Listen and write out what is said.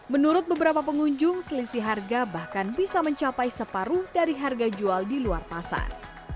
menurut beberapa pengunjung selisih harga bahkan bisa mencapai separuh dari harga jual di luar pasar